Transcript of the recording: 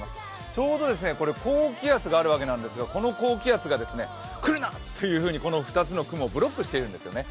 ちょうど高気圧があるわけなんですが、この高気圧が来るなというふうにこの２つの雲をブロックしているんですよね。